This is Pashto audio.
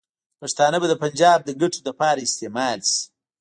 پښتانه به د پنجاب د ګټو لپاره استعمال شي.